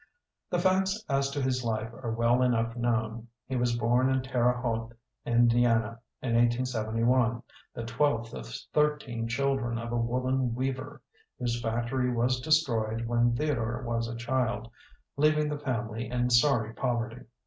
The facts as to his life are well enough known. He was bom in Terre Haute, Indiana, in 1871, the twelfth of thirteen children of a woolen weaver, whose factory was destroyed when Theodore was a child, leaving the fam ily in Sony poverty.